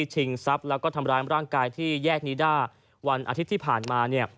ชิงทรัพย์แล้วก็ทำร้ายร่างกายที่แยกนิด้าวันอาทิตย์ที่ผ่านมา